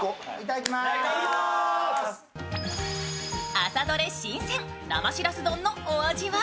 朝どれ新鮮生しらす丼のお味は？